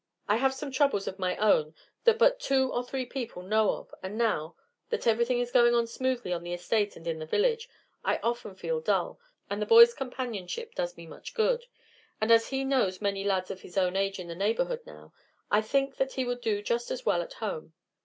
I have some troubles of my own that but two or three people know of, and now, that everything is going on smoothly on the estate and in the village, I often feel dull, and the boy's companionship does me much good; and as he knows many lads of his own age in the neighborhood now, I think that he would do just as well at home.